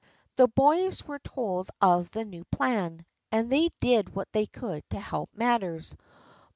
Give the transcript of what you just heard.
The boys were told of the new plan, and they did what they could to help matters.